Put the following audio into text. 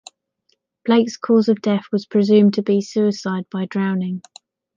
Blake's cause of death was presumed to be suicide by drowning.